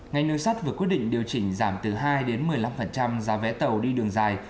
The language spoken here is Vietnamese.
ngành đường sắt vừa quyết định điều chỉnh giảm từ hai một mươi năm giá vé tàu đi đường dài